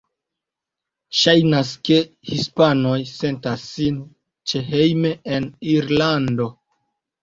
Ŝajnas, ke hispanoj sentas sin ĉehejme en Irlando.